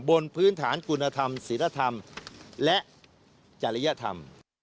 บนพื้นฐานคุณธรรมศิลธรรมและจริยธรรม